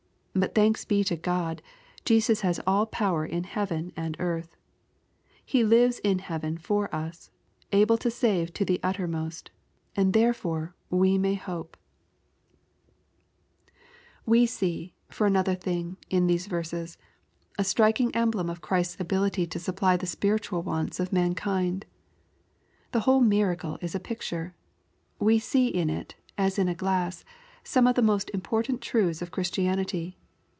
But thanks be to God, Jesus has all power in heaven and earth. He lives in heav en for us, able to save to ♦ihe uttermost, and therefore we may hope. 302 EXPOSITORY THOUOHTS. We see, for another thing, in these verses, a striking emblem of Ghrisfs ability to supply the spiritual wants of mankind. The whole miracle is a picture. We see in it, as in a glass, some of the most important truths of Christianity.